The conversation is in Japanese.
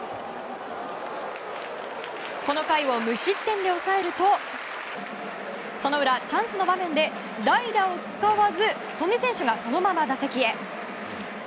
この回を無失点で抑えるとその裏、チャンスの場面で代打を使わず、戸根選手がそのまま打席へ。